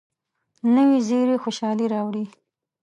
نوې زیري خوشالي راوړي